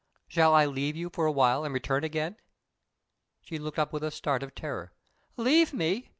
"Shall I leave you for a while and return again?" She looked up with a start of terror. "Leave me?"